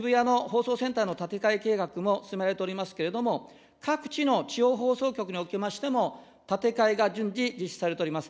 現在、東京の渋谷の放送センターの建て替え計画も進められておりますけれども、各地の地方放送局におきましても、建て替えが順次実施されております。